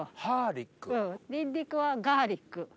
ニンニクはガーリック。